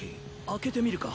開けてみるか。